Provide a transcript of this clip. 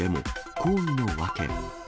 抗議の訳。